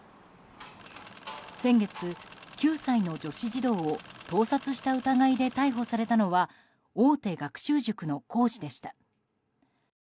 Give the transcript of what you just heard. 先月、９歳の女子児童を盗撮した疑いで逮捕されたのは大手学習塾の講師でした。